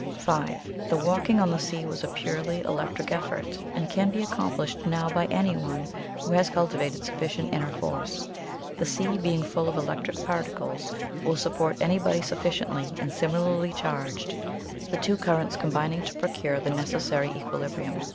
"5. The walking on the sea was a purely electric effort, AND CAN BE ACCOMPLISHED NOW BY ANYONE who has cultivated sufficient inner force. The sea being full of electric particles will support anybody sufficiently and similarly charged the two currents combining to procure the necessary equilibrium.